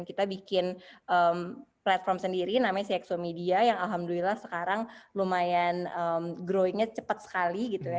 kita bikin platform sendiri namanya cxo media yang alhamdulillah sekarang lumayan growingnya cepat sekali gitu ya